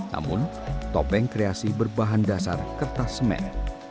namun topeng kreasi berbahan dasar kertas semen